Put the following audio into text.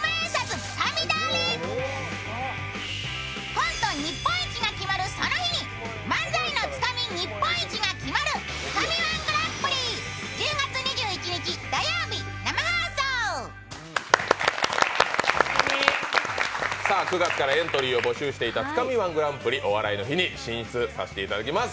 コント日本一が決まるその日に漫才のつかみ日本一が決まる、「つかみ−１グランプリ」、１０月２１日土曜日、生放送９月からエントリーを募集していた「つかみ−１グランプリ」、「お笑いの日」に進出させていただきます。